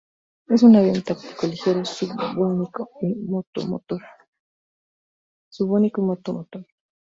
Es un avión táctico ligero subsónico y monomotor.